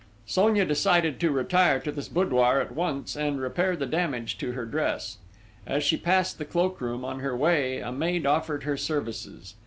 Sonia decided to retire to this boudoir at once and repair the damage to her dress. As she passed the cloak room on her way a maid offered her services.